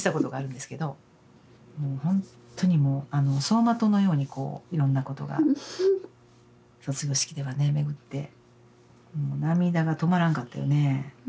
もうほんとにもう走馬灯のようにこういろんなことが卒業式ではね巡って涙が止まらんかったよね。